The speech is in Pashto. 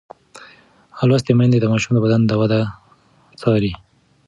لوستې میندې د ماشوم د بدن د وده څاري.